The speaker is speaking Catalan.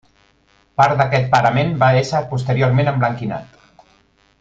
Part d'aquest parament va ésser posteriorment emblanquinat.